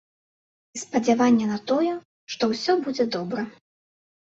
І спадзяванне на тое, што ўсё будзе добра.